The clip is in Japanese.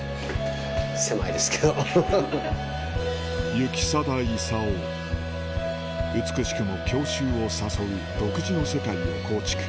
行定勲美しくも郷愁を誘う独自の世界を構築